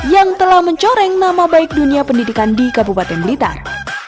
yang telah mencoreng nama baik dunia pendidikan di kabupaten blitar